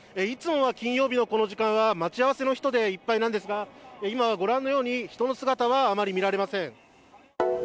いつもは金曜日のこの時間は待ち合わせの人でいっぱいなんですが、今はご覧のように人の姿はあまり見られません。